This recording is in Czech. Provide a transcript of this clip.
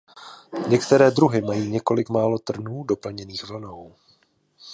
Některé druhy mají několik málo trnů doplněných vlnou.